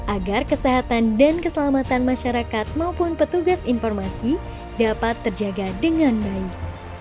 agar kesehatan dan keselamatan masyarakat maupun petugas informasi dapat terjaga dengan baik